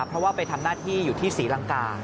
เพราะว่าไปทำหน้าที่อยู่ที่ศรีลังกา